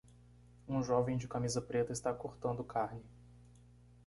Um jovem de camisa preta está cortando carne.